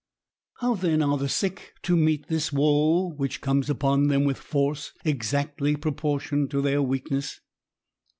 How then are the sick to meet this woe, which comes upon them with force exactly proportioned to their weakness